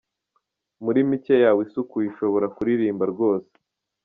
Muri mike yawe isukuye ushobora kurimba rwose.